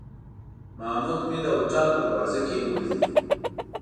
محمود مې د هوټل په دروازه کې ولید.